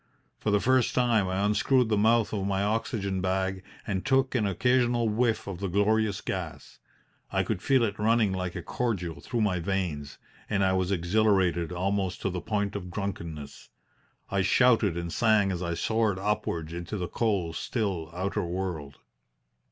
For the first time I unscrewed the mouth of my oxygen bag and took an occasional whiff of the glorious gas. I could feel it running like a cordial through my veins, and I was exhilarated almost to the point of drunkenness. I shouted and sang as I soared upwards into the cold, still outer world.